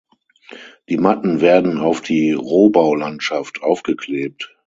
Die Matten werden auf die Rohbau-Landschaft aufgeklebt.